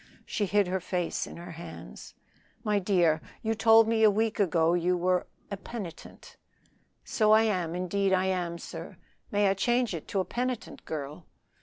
She hid her face in her hands. "My dear, you told me a week ago you were a penitent." "So I am, indeed I am. Sir, may I change it to 'a penitent girl?'"